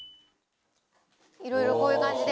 いろいろこういう感じで。